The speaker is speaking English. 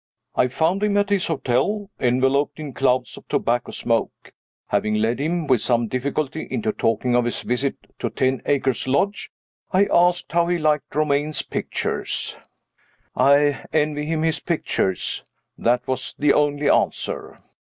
I found him at his hotel, enveloped in clouds of tobacco smoke. Having led him, with some difficulty, into talking of his visit to Ten Acres Lodge, I asked how he liked Romayne's pictures. "I envy him his pictures." That was the only answer.